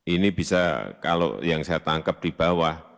ini bisa kalau yang saya tangkap di bawah